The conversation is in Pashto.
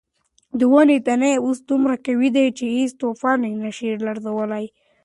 د ونو تنې اوس دومره قوي دي چې هیڅ طوفان یې نه شي لړزولی.